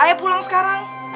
ayah pulang sekarang